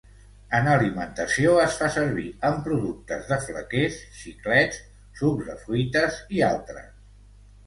En alimentació es fa servir en productes de flequers, xiclets, sucs de fruites i altres.